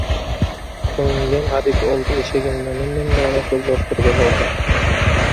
Ko‘nglim hadik oldi. Eshagimni mindim-da, Rasul do‘xtirga bordim.